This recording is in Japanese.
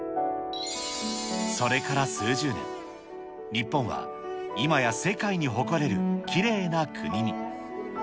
それから数十年、日本は今や世界に誇れるきれいな国に。